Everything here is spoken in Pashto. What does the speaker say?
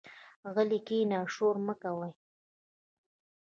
غلي کېنئ، شور مۀ کوئ.